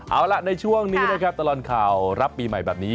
เอาล่ะในช่วงนี้นะครับตลอดข่าวรับปีใหม่แบบนี้